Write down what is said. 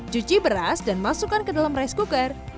cuci beras dan masukkan ke dalam rice cooker